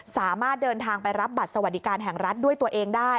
สามารถเดินทางไปรับบัตรสวัสดิการแห่งรัฐด้วยตัวเองได้